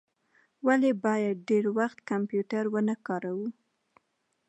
ولي باید ډیر وخت کمپیوټر و نه کاروو؟